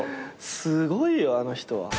すごいよあの人は。